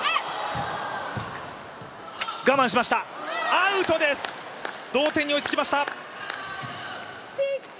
アウトです、同点に追いつきました。